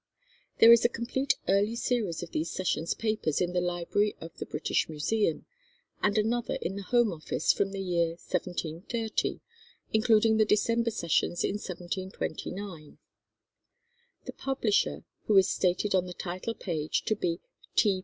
There is a complete early series of these sessions' papers in the Library of the British Museum, and another in the Home Office from the year 1730, including the December sessions in 1729. The publisher, who is stated on the title page to be "T.